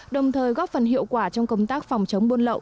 đồng thời góp phần hiệu quả trong công tác phòng chống buôn lậu